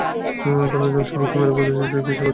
তুই তোর স্বামীকে মেরে বলছিস, তুই কিছুই করিসনি?